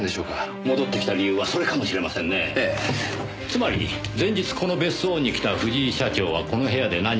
つまり前日この別荘に来た藤井社長はこの部屋で何かを落とした。